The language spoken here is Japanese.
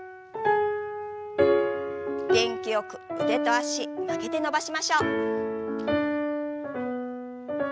元気よく腕と脚曲げて伸ばしましょう。